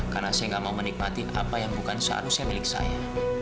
karena saya gak mau menikmati apa yang bukan seharusnya milik saya